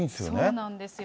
そうなんですよ。